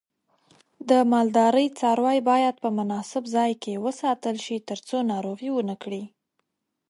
د مالدارۍ څاروی باید په مناسب ځای کې وساتل شي ترڅو ناروغي ونه کړي.